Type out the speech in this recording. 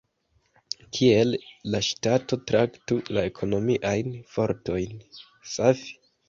Kiel la ŝtato traktu la ekonomiajn fortojn?